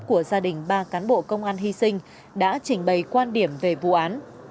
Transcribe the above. của gia đình ba cán bộ công an hy sinh đã trình bày quan điểm về vụ án